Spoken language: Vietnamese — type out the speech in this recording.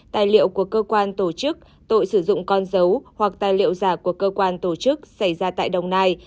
tài liệu của cơ quan tổ chức tội sử dụng con dấu hoặc tài liệu giả của cơ quan tổ chức xảy ra tại đồng nai